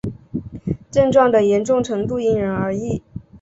症状的严重程度因人而异。